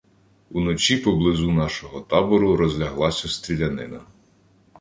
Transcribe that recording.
Уночі поблизу нашого табору розляглася стрілянина.